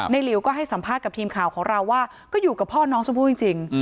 หลิวก็ให้สัมภาษณ์กับทีมข่าวของเราว่าก็อยู่กับพ่อน้องชมพู่จริง